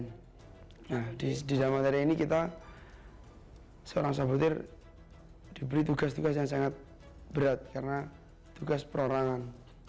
nah di dalam materi ini kita seorang sabotir diberi tugas tugas yang sangat berat karena tugas perorangan